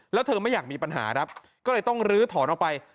แล้วเธอไม่อยากมีปัญหาครับก็เลยต้องลื้อถอนออกไป